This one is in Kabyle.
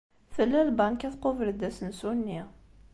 Tella lbanka tqubel-d asensu-nni.